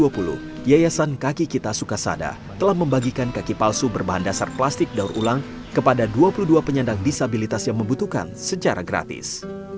yayasan kaki kita sukasada telah membagikan kaki palsu berbahan dasar plastik daur ulang kepada dua puluh dua penyandang disabilitas yang membutuhkan secara gratis